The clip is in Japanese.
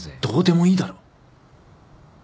どうでもいいだろ！